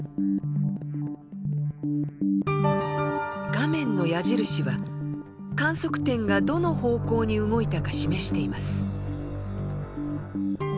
画面の矢印は観測点がどの方向に動いたか示しています。